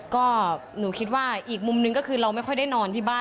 ก็หนูคิดว่าอีกมุมนึงก็คือเราไม่ค่อยได้นอนที่บ้าน